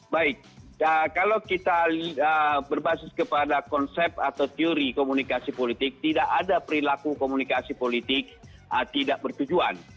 baik kalau kita berbasis kepada konsep atau teori komunikasi politik tidak ada perilaku komunikasi politik tidak bertujuan